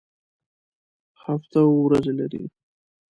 هفته اووه ورځې لري